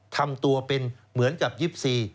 ทำตัวเป็นเหมือนกับยิปซี